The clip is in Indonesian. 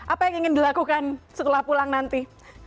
apa yang ingin dilakukan setelah pulang nanti